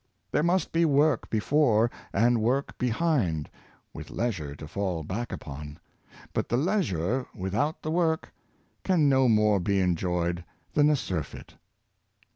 There must be work before and work behind, with leisure to fall back upon; but the leisure, without the work, can no more be enjoyed than a surfeit.